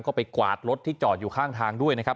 ก็ไปกวาดรถที่จอดอยู่ข้างทางด้วยนะครับ